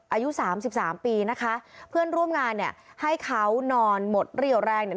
อายุสามสิบสามปีนะคะเพื่อนร่วมงานเนี่ยให้เขานอนหมดเรี่ยวแรงเนี่ย